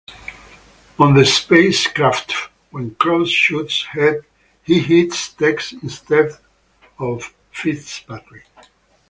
On the space craft when Cross shoots he hits Tex instead of Fitzpatrick.